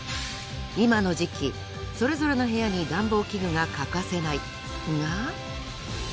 今の時期それぞれの部屋に暖房器具が欠かせないが。